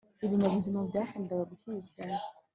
ibinyabuzima byakundaga gushyikirana